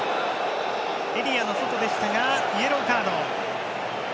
エリアの外でしたがイエローカード。